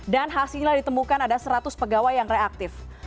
dan hasilnya ditemukan ada seratus pegawai yang reaktif